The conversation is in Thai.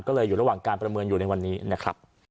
ก็เลยอยู่ระหว่างการประเมินอยู่ในวันนี้นะครับ